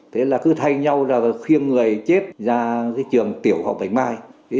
thế là cứ thay nhau khuyên người chết ra trường tiểu học bảy mai